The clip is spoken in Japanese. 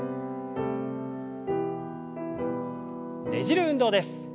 ねじる運動です。